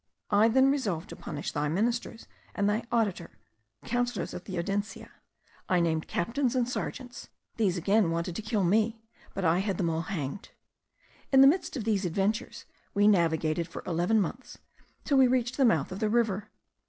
I then resolved to punish thy ministers and thy auditors (counsellors of the audiencia). I named captains and sergeants: these again wanted to kill me, but I had them all hanged. In the midst of these adventures we navigated for eleven months, till we reached the mouth of the river.